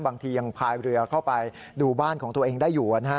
บางทียังพายเรือเข้าไปดูบ้านของตัวเองได้อยู่นะฮะ